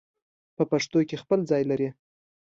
په پښتو کې خپل ځای لري